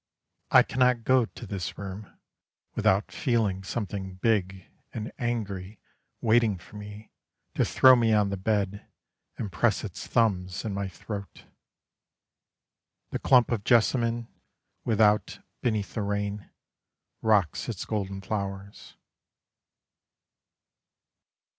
I cannot go to this room, Without feeling something big and angry Waiting for me To throw me on the bed, And press its thumbs in my throat. The clump of jessamine Without, beneath the rain, Rocks its golden flowers.